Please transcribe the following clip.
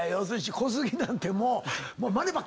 小杉なんてもう。